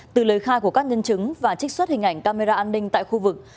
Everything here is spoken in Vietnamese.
từ lời khai của các nhân chứng và trích xuất hình ảnh camera an ninh tại khu vực